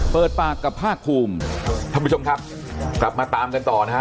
เปิดปากกับภาคภูมิท่านผู้ชมครับกลับมาตามกันต่อนะฮะ